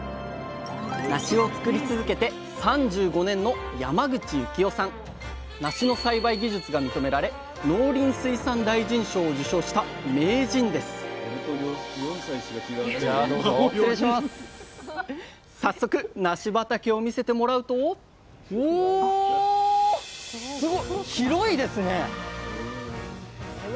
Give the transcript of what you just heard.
なしを作り続けて３５年のなしの栽培技術が認められ農林水産大臣賞を受賞した名人です早速なし畑を見せてもらうとおすご！